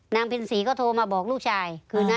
นางผินศรีก็โทรมาบอกลูกชาย